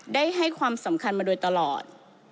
ได้ให้ความสำคัญมาโดยตลอด